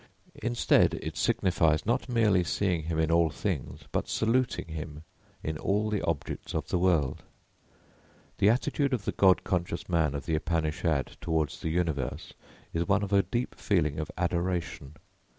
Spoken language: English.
Instead, it signifies not merely seeing him in all things, but saluting him in all the objects of the world. The attitude of the God conscious man of the Upanishad towards the universe is one of a deep feeling of adoration.